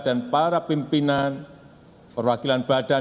para pimpinan perwakilan badan